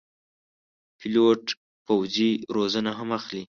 پیلوټ پوځي روزنه هم اخلي.